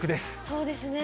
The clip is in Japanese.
そうですね。